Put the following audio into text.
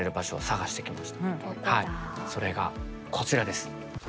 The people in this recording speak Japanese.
それがこちらです。